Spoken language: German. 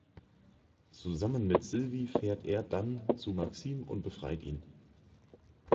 Zusammen mit Sylvie fährt er dann zu Maxim und befreit ihn.